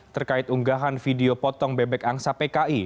terkait unggahan video potong bebek angsa pki